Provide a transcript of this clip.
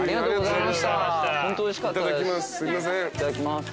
いただきます。